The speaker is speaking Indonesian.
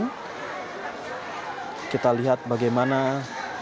dan sepertinya ini presiden jokowi telah tiba di salah satu lokasi pengungsian yang ada di labuan banten